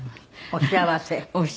お幸せ。